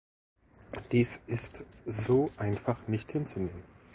Dies ist so einfach nicht hinzunehmen.